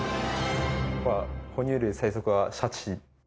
やっぱ哺乳類最速はシャチ。